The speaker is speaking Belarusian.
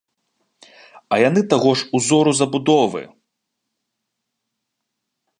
А яны таго ж узору забудовы!